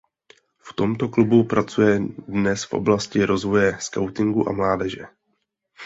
V tomto klubu pracuje dnes v oblasti rozvoje skautingu a mládeže.